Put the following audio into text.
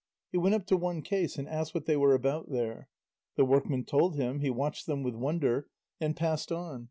He went up to one case and asked what they were about there; the workmen told him, he watched them with wonder, and passed on.